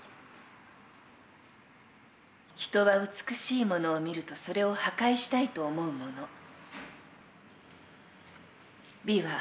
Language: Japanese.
人は美しいものを見るとそれを破壊したいと思うもの。